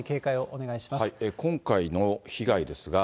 今回の被害ですが。